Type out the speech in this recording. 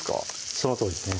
そのとおりですね